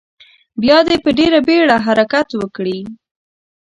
بیا دې په ډیره بیړه حرکت وکړي.